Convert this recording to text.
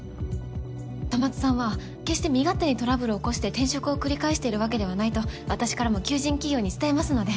戸松さんは決して身勝手にトラブルを起こして転職を繰り返しているわけではないと私からも求人企業に伝えますので。